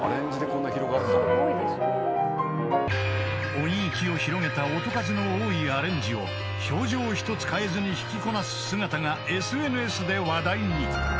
［音域を広げた音数の多いアレンジを表情一つ変えずに弾きこなす姿がＳＮＳで話題に］